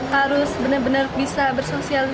harus benar benar bisa bersosialisasi